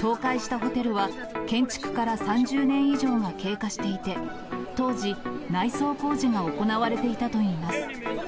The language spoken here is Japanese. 倒壊したホテルは建築から３０年以上が経過していて、当時、内装工事が行われていたといいます。